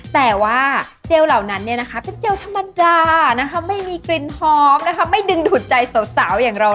แต่ว่าเจลเหล่านั้นเป็นเจลธรรมดานะคะไม่มีกลิ่นหอมนะคะไม่ดึงดูดใจสาวอย่างเรา